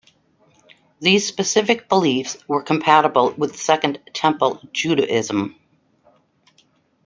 These specific beliefs were compatible with Second Temple Judaism.